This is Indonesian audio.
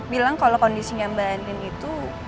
bilang kalau kondisinya mbak anim itu